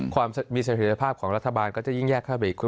ความมีเสถียรภาพของรัฐบาลก็จะยิ่งแยกเข้าไปอีก